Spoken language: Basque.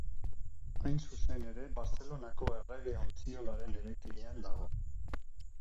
Hain zuzen ere Bartzelonako Errege Ontziolaren eraikinean dago.